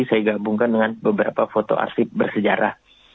saya gabungkan dengan beberapa foto arsip bersejarah